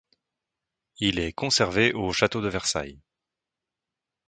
Il est conservé au Château de Versailles.